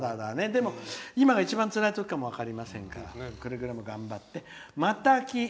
でも今が一番つらいときかもしれませんからくれぐれも頑張って。